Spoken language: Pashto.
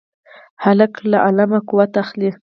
هلک له علمه قوت اخلي.